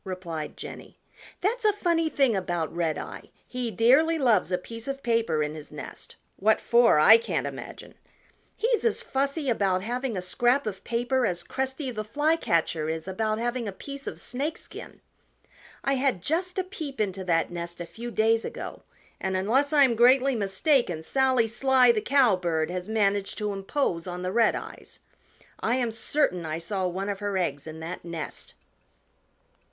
replied Jenny. "That's a funny thing about Redeye; he dearly loves a piece of paper in his nest. What for, I can't imagine. He's as fussy about having a scrap of paper as Cresty the Flycatcher is about having a piece of Snakeskin. I had just a peep into that nest a few days ago and unless I am greatly mistaken Sally Sly the Cowbird has managed to impose on the Redeyes. I am certain I saw one of her eggs in that nest."